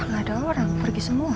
gak ada orang pergi semua